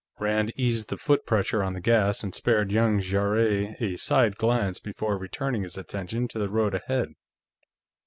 Rand eased the foot pressure on the gas and spared young Jarrett a side glance before returning his attention to the road ahead.